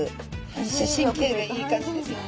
反射神経がいい感じですよね。